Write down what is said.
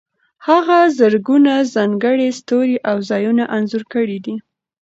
هغه زرګونه ځانګړي ستوري او ځایونه انځور کړي دي.